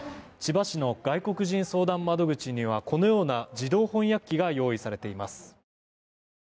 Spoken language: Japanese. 千葉市の外国人相談窓口にはこのような自動翻訳機が用意されています。